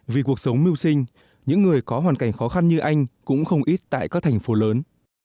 vì cuộc sống mưu sinh những người có hoàn cảnh khó khăn như anh cũng không ít tại các thành phố lớn